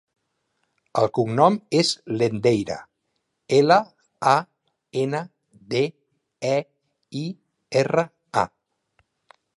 El cognom és Landeira: ela, a, ena, de, e, i, erra, a.